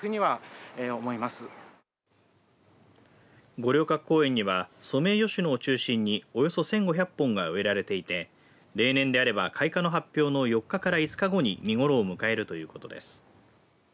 五稜郭公園にはソメイヨシノを中心におよそ１５００本が植えられていて例年であれば開花の発表の４日から５日後に見頃を迎えるということです。